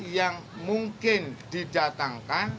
yang mungkin didatangkan